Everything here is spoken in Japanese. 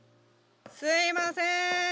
すいません。